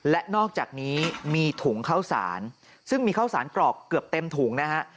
และนอกจากนี้มีถุงข้าวสารซึ่งมีข้าวสารกรอกเกือบเต็มถุงนะฮะ